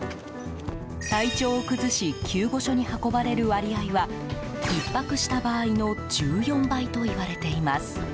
体調を崩し救護所に運ばれる割合は１泊した場合の１４倍といわれています。